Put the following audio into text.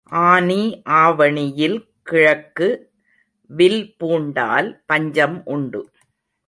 ஆனி ஆவணியில் கிழக்கு வில் பூண்டால் பஞ்சம் உண்டு.